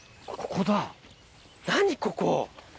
何ここ。